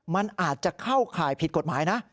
มันอาจจะเข้าข่ายผิดกฎหมายนะ